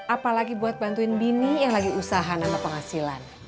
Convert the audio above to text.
apalagi buat bantuin bini yang lagi usaha nama penghasilan